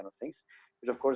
yang tentu saja lebih berat